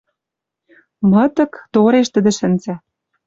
Мытык, тореш тӹдӹ шӹнзӓ